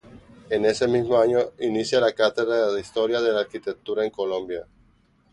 En ese mismo año inicia la cátedra de Historia de la Arquitectura en Colombia.